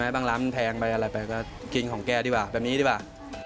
บางร้านมันแพงไปอะไรไปก็กินของแกดีกว่าแบบนี้ดีกว่า